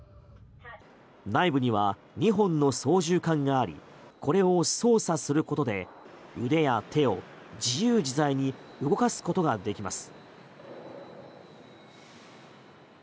内部には２本の操縦かんがありこれを操作することで腕や手を自由自在に動かすことができます。